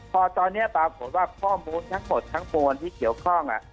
พอตอนนี้ปรากฏว่าข้อมูลทั้งหมดทั้งมวลที่เกี่ยวข้อง